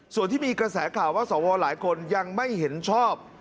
ส่วนที่มีกระแสข่าวว่าสวหลายคนยังไม่เห็นชอบ